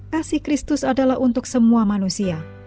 kasih kristus adalah untuk semua manusia